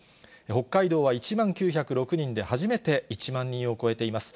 北海道は１万９０６人で初めて１万人を超えています。